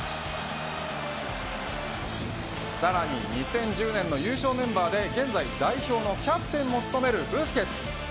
さらに２０１０年の優勝メンバーで現在代表のキャプテンも務めるブスケツ。